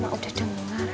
mak udah dengar